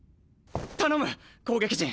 頼む攻撃陣！